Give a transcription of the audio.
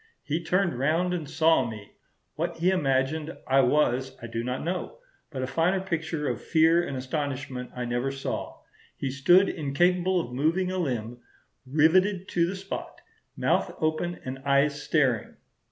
"He turned round and saw me. What he imagined I was I do not know; but a finer picture of fear and astonishment I never saw. He stood incapable of moving a limb, riveted to the spot, mouth open and eyes staring....